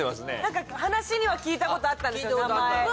何か話には聞いたことあったんですよ